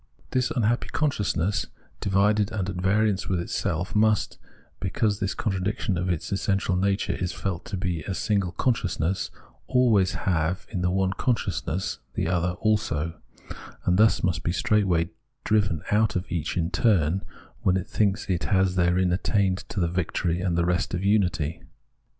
This unhappy consciousness, divided and at variance within itself, must, because this contradiction of its essential nature is felt to be a single conscious ness, always have in the one consciousness the other also ; and thus must be straightway driven out of each in turn, when it thinks it has therein attained to the victory and rest of unity.